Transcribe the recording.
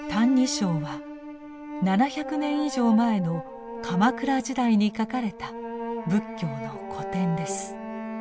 「歎異抄」は７００年以上前の鎌倉時代に書かれた仏教の古典です。